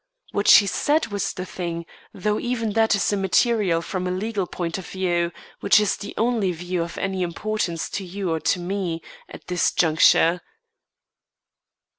What she said was the thing, though even that is immaterial from a legal point of view which is the only view of any importance to you or to me, at this juncture."